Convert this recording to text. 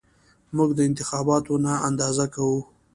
موږ دا انتخابونه نه اندازه کوو